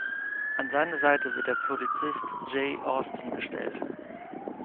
An seine Seite wird der Polizist Jay Austin gestellt.